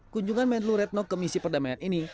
kunjungan menlu retno ke misi perdamaian ini